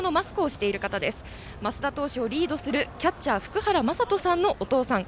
升田投手をリードするキャッチャー、福原将斗さんのお父さん。